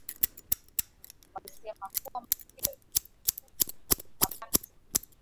walisema kuwa matokeo ya utafiti huo ni mapana sana